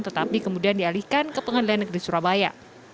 tetapi kemudian dialihkan ke pengadilan negeri surabaya